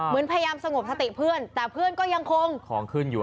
พยายามสงบสติเพื่อนแต่เพื่อนก็ยังคงของขึ้นอยู่